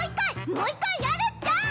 もう一回やるっちゃ！